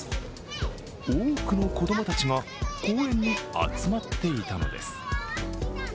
多くの子供たちが、公園に集まっていたのです。